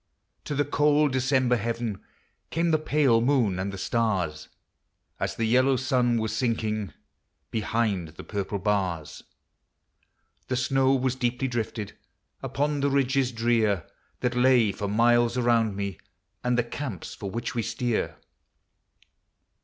To the cold December heaven Came the pale moon and the stars, As the yellow sun was sinking Behind the purple bars. The snow was deeply drifted Upon the ridges drear, That lay for miles around me And the camps for which we steer.